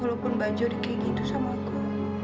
walaupun baja udah kayak gitu sama aku